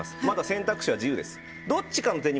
まだ選択肢は自由です。